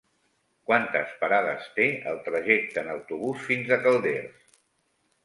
Quantes parades té el trajecte en autobús fins a Calders?